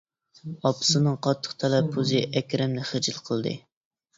ئاپىسىنىڭ قاتتىق تەلەپپۇزى ئەكرەمنى خىجىل قىلدى.